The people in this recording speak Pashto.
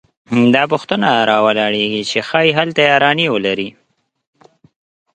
دا پوښتنه راولاړېږي چې ښايي هلته یارانې ولري